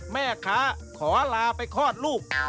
แม่ค้าขอลาไปคลอดลูก